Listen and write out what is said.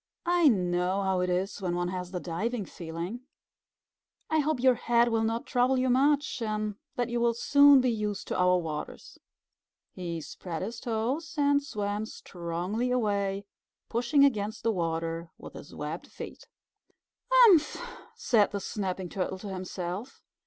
"I know how it is when one has the diving feeling. I hope your head will not trouble you much, and that you will soon be used to our waters." He spread his toes and swam strongly away, pushing against the water with his webbed feet. "Humph!" said the Snapping Turtle to himself.